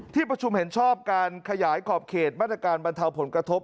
ที่ประชุมเห็นชอบการขยายขอบเขตมาตรการบรรเทาผลกระทบ